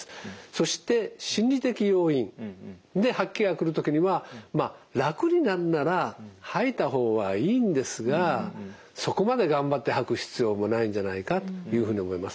そして心理的要因で吐き気が来る時には楽になるなら吐いた方はいいんですがそこまで頑張って吐く必要もないんじゃないかというふうに思います。